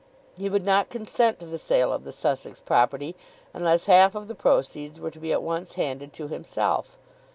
He would not consent to the sale of the Sussex property unless half of the proceeds were to be at once handed to himself.